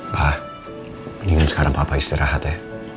bah mendingan sekarang papa istirahat ya